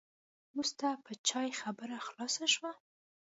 وروسته په چای خبره خلاصه شوه.